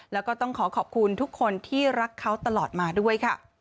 แล้วก็ต้องขอขอบคุณทุกคนที่รักเขาตลอดมาด้วยค่ะ